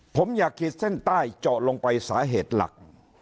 ผมอยากขีดเส้นใต้เจาะลงไปสาเหตุหลัก